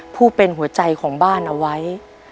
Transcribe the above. ผู้เป็นหัวใจของบ้านเอาไว้